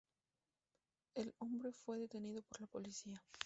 El hombre fue detenido por la policía.